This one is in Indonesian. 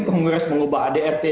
kongres mengubah adrt